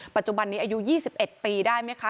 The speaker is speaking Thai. ปัจจุบันนี้อายุ๒๑ปีได้ไหมคะ